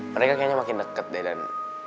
mereka kayaknya makin deket deh dan